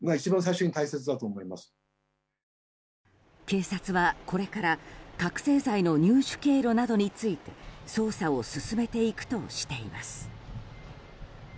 警察はこれから覚醒剤の入手経路などについて捜査を進めていくとしています。